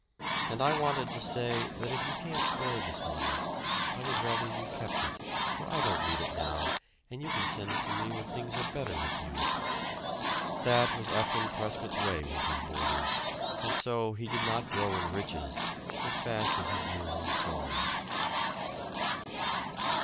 And I wanted to say that if you can't spare this money, I would rather you kept it; for I don't need it now, and you can send it to me when things are better with you." That was Ephraim Prescott's way with his boarders; and so he did not grow in riches as fast as he grew in soul.